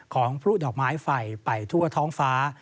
ของพลุดอกไม้ไฟไปทั่วท้องฟ้า